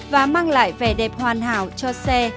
và mang lại vẻ đẹp hoàn hảo cho xe